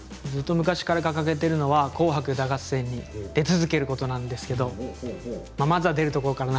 昔から掲げているのが「紅白歌合戦」に出続けることなんですけれど。